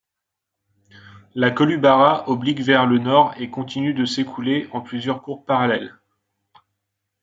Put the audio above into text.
La Kolubara oblique vers le nord et continue de s'écouler en plusieurs cours parallèles.